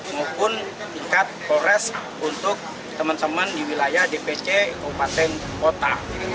maupun tingkat polres untuk teman teman di wilayah dpc kabupaten kota